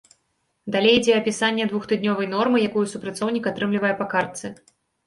Далей ідзе апісанне двухтыднёвай нормы, якую супрацоўнік атрымлівае па картцы.